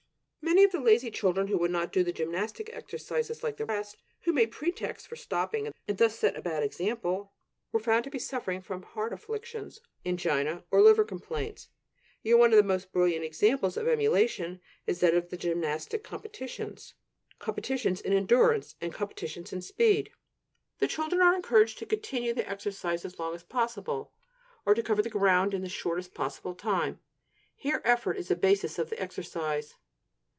Many of the lazy children, who would not do the gymnastic exercises like the rest, who made pretexts for stopping and thus set a bad example, were found to be suffering from heart affections, anemia, or liver complaints. Yet one of the most brilliant examples of emulation is that of the gymnastic competitions, competitions in endurance and competitions in speed. The children are encouraged to continue the exercise as long as possible; or to cover the ground in the shortest possible time; here effort is the basis of the exercise.